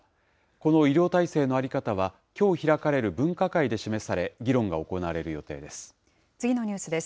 この医療体制の在り方は、きょう開かれる分科会で示され、議論が行われる予定です。